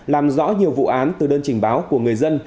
làm rõ nhiều vụ án từ đơn trình báo của người dân